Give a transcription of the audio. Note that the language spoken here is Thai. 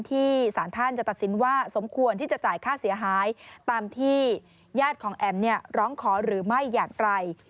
สารท่านจะตัดสินว่าสมควรที่จะจ่ายค่าเสียหายตามที่ญาติของแอ๋มร้องขอหรือไม่อย่างไร